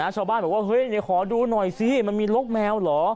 ชาวบ้านบอกว่าเฮ้ยขอดูหน่อยซิมันมีล็อคแมวเหรอ